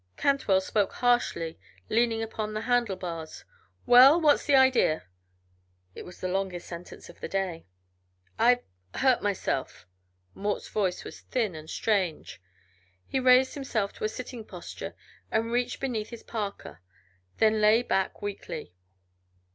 Cantwell spoke harshly, leaning upon the handle bars: "Well! What's the idea?" It was the longest sentence of the day. "I've hurt myself." Mort's voice was thin and strange; he raised himself to a sitting posture, and reached beneath his parka, then lay back weakly.